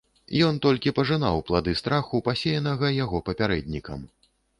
Ён толькі пажынаў плады страху, пасеянага яго папярэднікам.